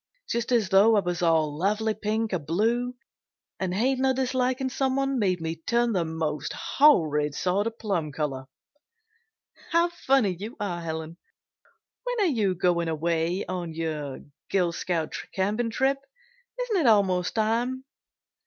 Just as though I was all lovely pink or blue, and hating or disliking someone made me turn the most horrid sort of plum color." "How funny you are, Helen! When are you going away on your Girl Scout camping trip? Isn't it almost time?"